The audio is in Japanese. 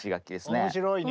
面白いね。